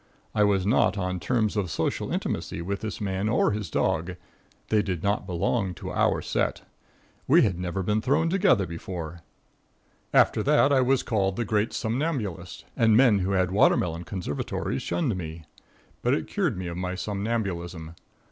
I was not on terms of social intimacy with this man or his dog. They did not belong to our set. We had never been thrown together before. After that I was called the great somnambulist and men who had watermelon conservatories shunned me. But it cured me of my somnambulism.